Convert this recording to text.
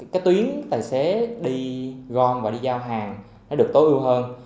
cái tuyến tài xế đi gom và đi giao hàng nó được tối ưu hơn